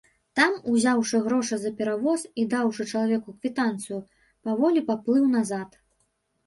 Там, узяўшы грошы за перавоз і даўшы чалавеку квітанцыю, паволі паплыў назад.